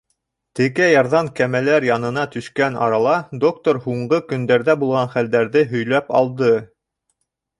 Текә ярҙан кәмәләр янына төшкән арала доктор һуңғы көндәрҙә булған хәлдәрҙе һөйләп алды.